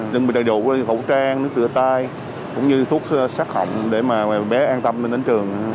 đừng bị đầy đủ hậu trang tựa tay cũng như thuốc sát hỏng để mà bé an tâm đến trường